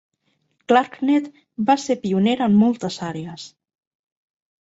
ClarkNet va ser pionera en moltes àrees.